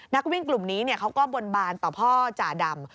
นักวิ่งกลุ่มนี้เขาก็บนบานต่อพ่อจ่าดำ